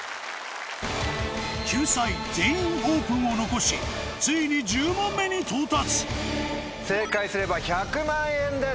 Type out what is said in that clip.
救済「全員オープン」を残しついに１０問目に到達正解すれば１００万円です。